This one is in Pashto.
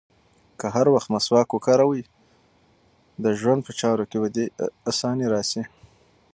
که هر وخت مسواک وکاروې، د ژوند په چارو کې به دې اساني راشي.